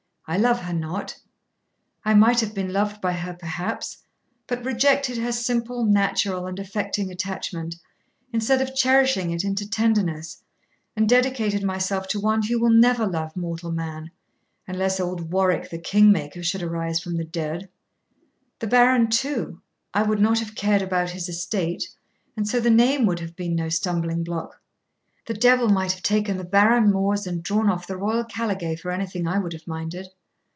I love her not; I might have been loved by her perhaps; but rejected her simple, natural, and affecting attachment, instead of cherishing it into tenderness, and dedicated myself to one who will never love mortal man, unless old Warwick, the King maker, should arise from the dead The Baron too I would not have cared about his estate, and so the name would have been no stumbling block. The devil might have taken the barren moors and drawn off the royal caligae for anything I would have minded.